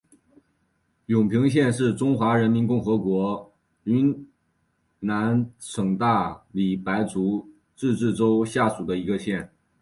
永平县是中华人民共和国云南省大理白族自治州下属的一个县。